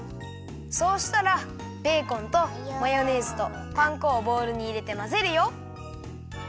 そうしたらベーコンとマヨネーズとパン粉をボウルにいれてまぜるよ。